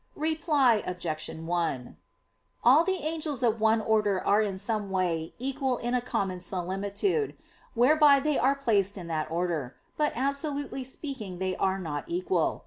Reply Obj. 1: All the angels of one order are in some way equal in a common similitude, whereby they are placed in that order; but absolutely speaking they are not equal.